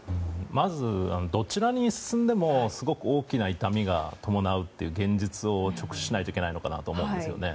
まず、どちらに進んでもすごく大きな痛みが伴うという現実を直視しないといけないと思うんです。